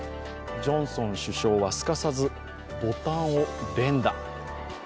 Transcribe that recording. ジョンソン首相はすかさず、ボタンを連打。